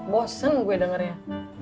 boseng gue dengernya